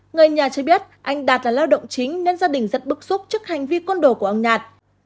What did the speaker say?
người nhà cho biết anh đạt là lao động chính nên gia đình rất bức xúc trước hành vi côn đồ của ông nhạt